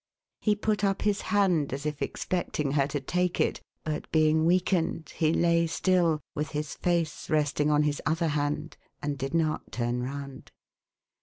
He put up his hand as if expecting her to take it, but, being weakened, he lay still, with his face resting on his other hand, and did not turn round.